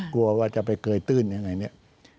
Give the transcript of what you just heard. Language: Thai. กลัวว่าจะไปเกยตื้นยังไงเนี่ย